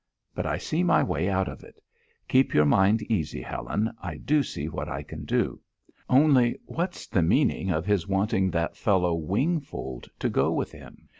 But I see my way out of it. Keep your mind easy, Helen. I do see what I can do. Only what's the meaning of his wanting that fellow Wingfold to go with him?